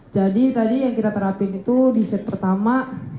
jadi tadi yang kita terapin itu di set pertama